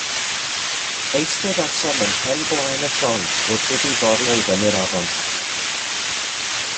Eisteddasom ym mhen blaen y llong wrth iddi forio i fyny'r afon.